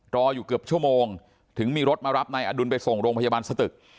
รออยู่เกือบชั่วโมงถึงมีรถมารับนายอดุลไปส่งโรงพยาบาลสตึก